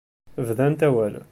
Bdant awal.